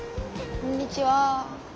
こんにちは。